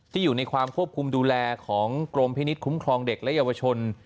อยู่ในความควบคุมดูแลของกรมพินิษฐคุ้มครองเด็กและเยาวชน